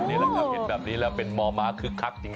เสร็จแบบนี้ใช่ค่ะเป็นมอม้าคึกคักจริง